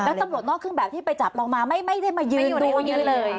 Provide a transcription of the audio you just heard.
แล้วตำรวจนอกขึ้นแบบที่ไปจับเรามาไม่ได้มายืนดูอยู่เลย